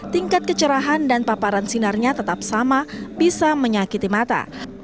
tingkat kecerahan dan paparan sinarnya tetap sama bisa menyakiti mata